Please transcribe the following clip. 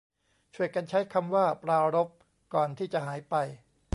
ช่วยกันใช้คำว่าปรารภ ก่อนที่จะหายไป